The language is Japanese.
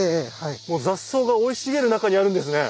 雑草が生い茂る中にあるんですね。